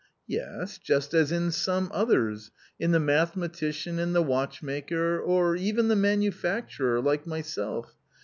" Yes, just as in some others — in the mathematician and the watchmaker or even the manufacturer, like myself.